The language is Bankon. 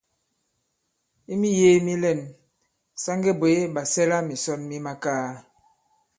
I miyēē mi lɛ̂n, sa ŋge bwě ɓàsɛlamìsɔn mi makaa.